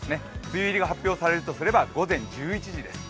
梅雨入りが発表されるとすれば、午前１１時です。